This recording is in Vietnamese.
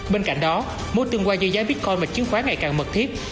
bên cạnh đó mối tương quan do giá bitcoin và chứng khoán ngày càng mật thiếp